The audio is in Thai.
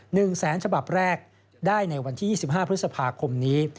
หนึ่งแสนฉบับแรกได้ในวันที่ยี่สิบห้าพฤษภาคมนี้